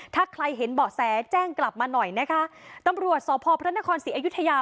ถ้าใครเห็นเบาะแสแจ้งกลับมาหน่อยนะคะตำรวจสพพระนครศรีอยุธยา